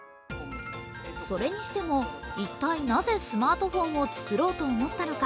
それにしても、一体なぜスマートフォンをつくろうと思ったのか。